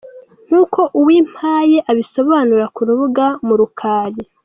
Nk’uko Uwimpaye abisobanura ku rubuga murukali.